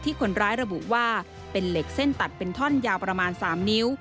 คนร้ายระบุว่าเป็นเหล็กเส้นตัดเป็นท่อนยาวประมาณ๓นิ้ว